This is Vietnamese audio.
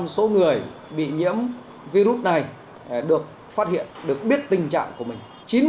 số người bị nhiễm virus này được phát hiện được biết tình trạng của mình